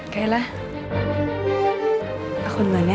kayalah aku dengan ya yuk